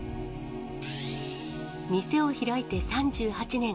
店を開いて３８年。